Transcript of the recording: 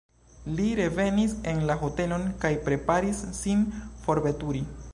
Li revenis en la hotelon kaj preparis sin forveturi.